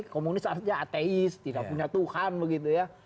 komunis artinya ateis tidak punya tuhan begitu ya